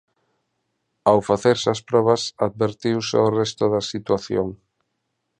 Ao facerse as probas advertiuse ao resto da situación.